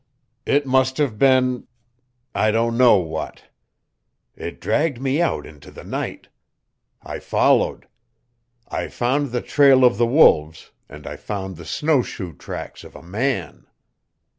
It must have been I don't know what. It dragged me out into the night. I followed. I found the trail of the wolves, and I found the snowshoe tracks of a man.